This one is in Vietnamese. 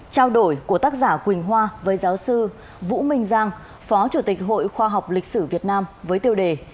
trao đổi của tác giả quỳnh hoa với giáo sư vũ minh giang phó chủ tịch hội khoa học lịch sử việt nam với tiêu đề